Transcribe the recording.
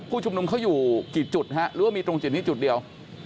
ชุมนุมเขาอยู่กี่จุดฮะหรือว่ามีตรงจุดนี้จุดเดียว